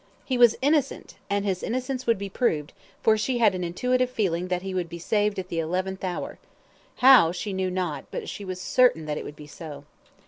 He was innocent, and his innocence would be proved, for she had an intuitive feeling that he would be saved at the eleventh hour. How, she knew not; but she was certain that it would be so.